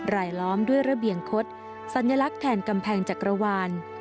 ล้อมด้วยระเบียงคดสัญลักษณ์แทนกำแพงจักรวาล